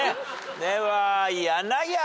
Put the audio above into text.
では柳原。